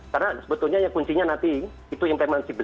karena sebetulnya yang kuncinya nanti itu implementasi berbeda